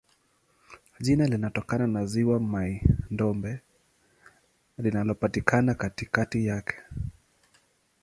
Jina linatokana na ziwa Mai-Ndombe linalopatikana katikati yake.